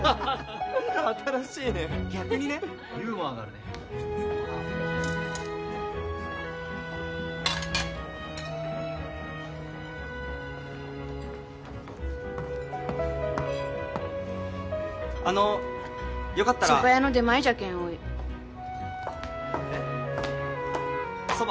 ・新しいね・ユーモアがあるねあのよかったらそば屋の出前じゃけんおいえっそば？